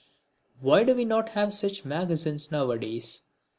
Why do we not have such magazines now a days?